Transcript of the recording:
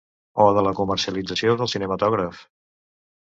O de la comercialització del cinematògraf.